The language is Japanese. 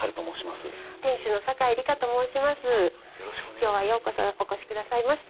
今日はようこそお越しくださいました。